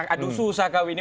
aduh susah kau ini